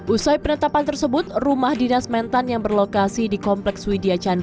usai penetapan tersebut rumah dinas mentan yang berlokasi di kompleks widya chandra